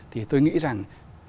thì tôi nghĩ rằng